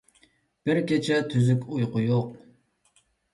بىر كېچە تۈزۈك ئۇيقۇ يوق.